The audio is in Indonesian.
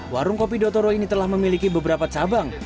warung kopi dotoro ini telah memiliki beberapa cabang